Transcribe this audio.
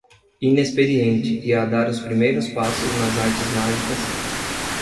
inexperiente e a dar os primeiros passos nas artes mágicas